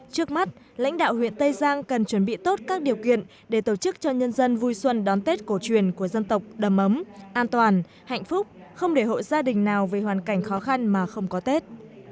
trước mắt lãnh đạo huyện tây giang cần chuẩn bị tốt các điều kiện để tổ chức cho nhân dân vui xuân đón tết cổ truyền của dân tộc đầm ấm an toàn hạnh phúc không để hội gia đình nào về hoàn cảnh khó khăn mà không có tết